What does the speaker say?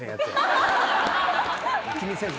気にせず。